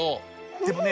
でもね